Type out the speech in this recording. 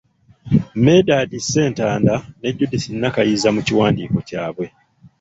Medadi Ssentanda ne Judith Nakayiza mu kiwandiiko kyabwe.